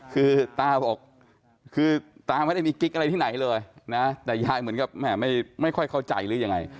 คือตาบอกคือตาไม่ได้มีกิ๊กอะไรที่ไหนเลยนะแต่ยายเหมือนกับแม่ไม่ค่อยเข้าใจหรือยังไง